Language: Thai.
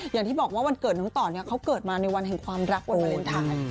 อย่างที่บอกว่าวันเกิดน้องต่อเนี่ยเขาเกิดมาในวันแห่งความรักวันวาเลนไทย